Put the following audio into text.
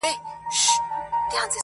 خداى دي زما د ژوندون ساز جوړ كه.